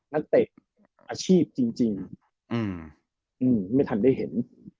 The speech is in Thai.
นักเตะอาชีพจริงไม่ทันได้เห็น